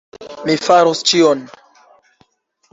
Mi faros ĉion!